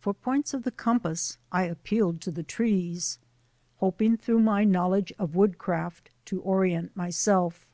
For points of the compass I appealed to the trees, hoping through my knowledge of woodcraft to orient myself.